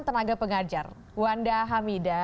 tenaga pengajar wanda hamidah